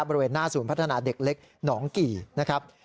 บริเวณหน้าศูนย์พัฒนาเด็กเล็กหนองกี่นะครับ